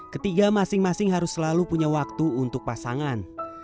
ketiga masing masing harus selalu punya waktu untuk pasangan